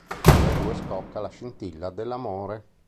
Fra i due scocca la scintilla dell’amore.